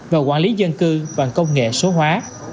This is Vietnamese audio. và quản lý dân cư bằng công nghệ số hóa